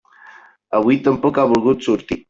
Avui tampoc ha volgut sortir.